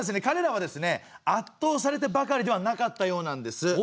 かれらはですねあっとうされてばかりではなかったようなんです。